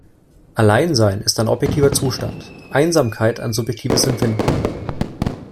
Alleinsein ist ein objektiver Zustand, Einsamkeit ein subjektives Empfinden.